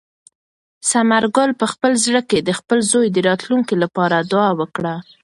ثمر ګل په خپل زړه کې د خپل زوی د راتلونکي لپاره دعا وکړه.